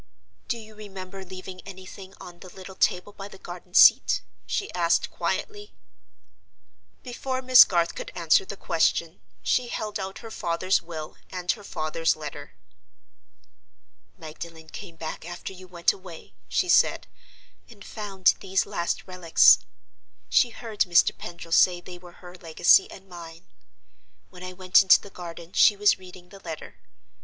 "Do you remember leaving anything on the little table by the garden seat?" she asked, quietly. Before Miss Garth could answer the question, she held out her father's will and her father's letter. "Magdalen came back after you went away," she said, "and found these last relics. She heard Mr. Pendril say they were her legacy and mine. When I went into the garden she was reading the letter.